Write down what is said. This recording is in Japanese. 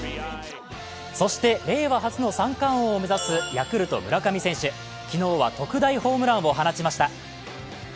そして令和初の三冠王を目指すヤクルト・村上選手、昨日は特大ホームランを放ちました。